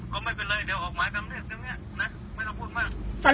ก็ไม่เป็นไรเดี๋ยวออกหมายทำเนี่ยนะไม่ต้องพูดมาก